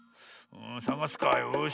さがすかよし。